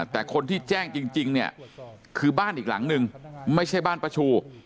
แต่คนที่แจ้งจริงเนี่ยคือบ้านอีกหลังนึงไม่ใช่บ้านป้าชู